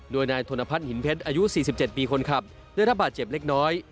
โดยนายธนพัฒนหินเพชรอายุ๔๗ปีคนขับได้รับบาดเจ็บเล็กน้อย